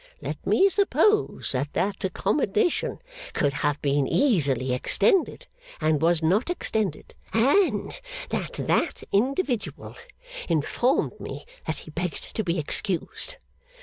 Let me suppose that that accommodation could have been easily extended, and was not extended, and that that individual informed me that he begged to be excused.